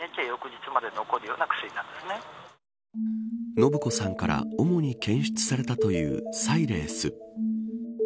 延子さんから主に検出されたというサイレース。